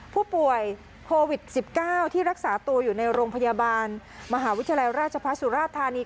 ผู้ป่วยโควิด๑๙ที่รักษาตัวอยู่ในโรงพยาบาลมหาวิทยาลัยราชพัฒนสุราธานี